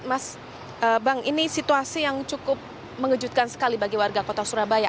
mas bang ini situasi yang cukup mengejutkan sekali bagi warga kota surabaya